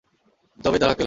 তবেই তার আক্কেল হবে।